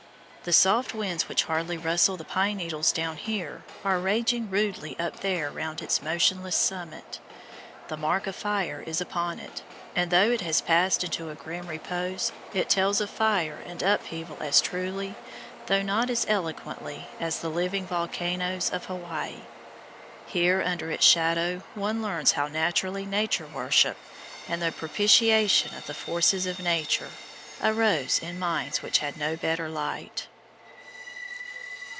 The soft winds which hardly rustle the pine needles down here are raging rudely up there round its motionless summit. The mark of fire is upon it; and though it has passed into a grim repose, it tells of fire and upheaval as truly, though not as eloquently, as the living volcanoes of Hawaii. Here under its shadow one learns how naturally nature worship, and the propitiation of the forces of nature, arose in minds which had no better light.